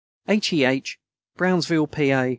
H. E. H. BROWNSVILLE, PA.